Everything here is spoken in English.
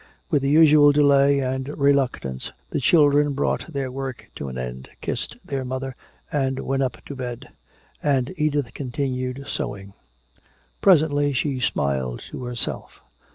With the usual delay and reluctance the children brought their work to an end, kissed their mother and went up to bed. And Edith continued sewing. Presently she smiled to herself.